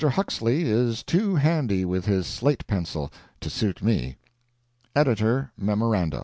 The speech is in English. Huxley is too handy with his slate pencil to suit me.—EDITOR MEMORANDA.